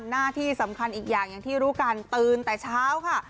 หน้าที่สำคัญอีกอย่างอย่างที่รู้กันตื่นแต่เช้าค่ะ